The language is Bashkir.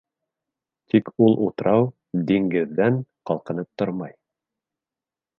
Тик ул утрау «диңгеҙ»ҙән ҡалҡынып тормай.